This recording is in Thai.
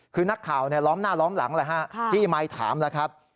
คือนักข่าวล้อมหน้าล้อมหลังแหละฮะจี้ไมค์ถามแล้วครับ